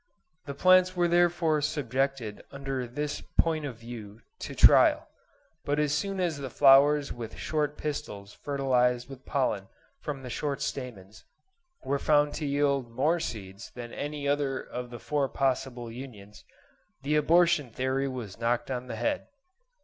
The plants were therefore subjected under this point of view to trial; but as soon as the flowers with short pistils fertilised with pollen from the short stamens, were found to yield more seeds than any other of the four possible unions, the abortion theory was knocked on the head.